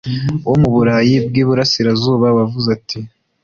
wo mu burayi bw'i burasirazuba wavuze ati